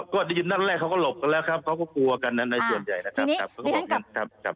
ก็ได้ยินด้านแรกเขาก็หลบกันแล้วครับเขาก็กลัวกันนั้นในส่วนใหญ่นะครับ